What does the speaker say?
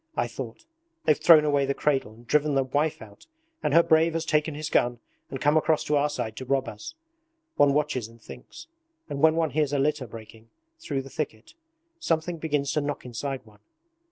I thought: they've thrown away the cradle and driven the wife out, and her brave has taken his gun and come across to our side to rob us. One watches and thinks. And when one hears a litter breaking through the thicket, something begins to knock inside one.